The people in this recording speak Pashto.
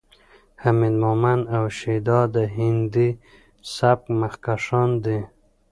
حمید مومند او شیدا د هندي سبک مخکښان دي.